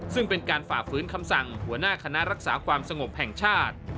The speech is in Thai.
ซึ่งเป็นการฝ่าฝืนคำสั่งหัวหน้าคณะรักษาความสงบแห่งชาติ